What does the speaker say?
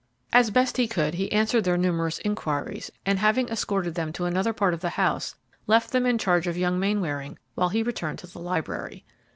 As best he could, he answered their numerous inquiries, and, having escorted them to another part of the house, left them in charge of young Mainwaring, while he returned to the library.